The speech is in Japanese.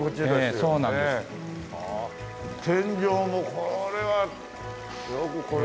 天井もこれはよくこれだけ。